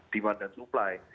demand dan supply